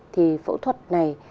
thì phẫu thuật này